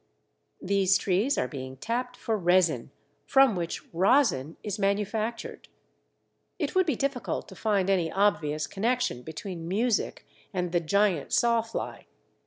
These trees are being tapped for resin, from which rosin is manufactured. It would be difficult to find any obvious connexion between music and the Giant Sawfly.